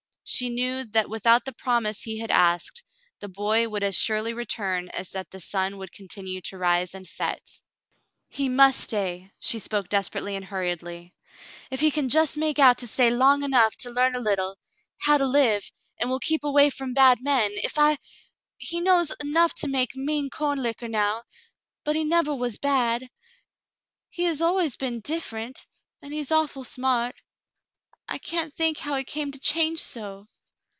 She knew that without the promise he had asked, the boy would as surely return as that the sun would continue to rise and set. "He must stay," she spoke desperately and hurriedly. "If he can just make out to stay long enough to learn a Cassandra^s Promise 55 little — how to live, and will keep away from bad men — if I — he only knows enough to make mean corn liquor now — but he nevah was bad. He has always been differ ent — and he is awful smart. I can't think how came he to change so."